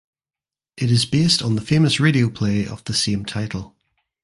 It is based on the famous radio play of the same title.